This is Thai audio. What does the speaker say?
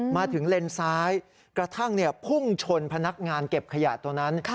มาถึงเลนซ้ายกระทั่งพุ่งชนพนักงานเก็บขยะตัวนั้น